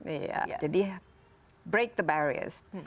iya jadi break the barrious